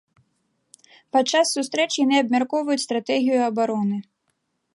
Падчас сустрэч яны абмяркоўваюць стратэгію абароны.